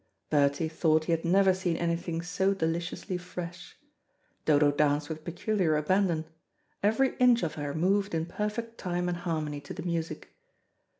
Bertie thought he had never seen anything so deliciously fresh. Dodo danced with peculiar abandon. Every inch of her moved in perfect time and harmony to the music.